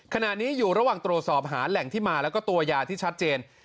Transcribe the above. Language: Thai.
ขณะนี้อยู่ระหว่างตรวจสอบหาแหล่งที่มาแล้วก็ตัวยาที่ชัดเจน